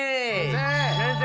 先生。